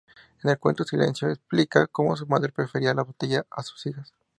En el cuento "Silencio" explica "como su madre prefería la botella a sus hijas".